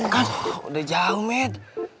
kan udah jauh med